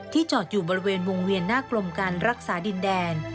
จอดอยู่บริเวณวงเวียนหน้ากรมการรักษาดินแดน